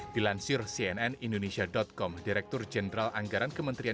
dilansir cnn indonesia com direktur jenderal anggaran kementerian